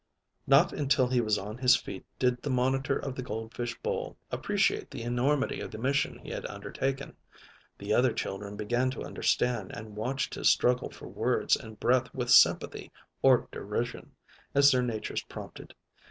Not until he was on his feet did the Monitor of the Gold Fish Bowl appreciate the enormity of the mission he had undertaken. The other children began to understand, and watched his struggle for words and breath with sympathy or derision, as their natures prompted.